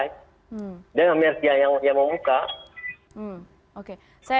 dia mengambil artian yang mau buka